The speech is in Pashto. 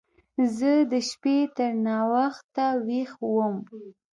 زه د شپې تر ناوخته ويښ وم.